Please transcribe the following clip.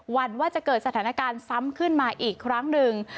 วันว่าจะเกิดสถานการณ์ซ้ำขึ้นมาอีกครั้งหนึ่ง